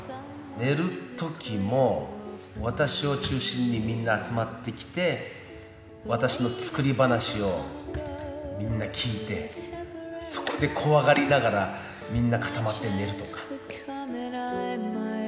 寝るときも、私を中心にみんな集まってきて、私の作り話をみんな聞いて、そこで怖がりながら、みんな固まって寝るとか。